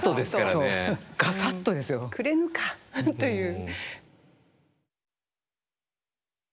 そう「ガサッと」ですよ。「くれぬか」という。